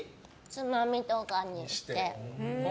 つまみとかにして。